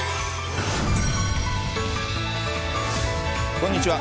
こんにちは。